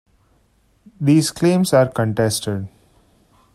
These claims are contested.